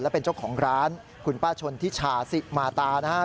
เป็นเจ้าของร้านคุณป้าชนทิชาสิมาตานะครับ